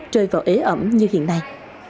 trôi vào ế ẩm như hiện nay